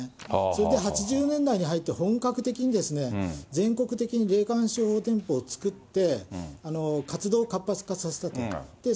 それで８０年代に入って、本格的に全国的に霊感商法店舗を作って、活動を活発化させたと。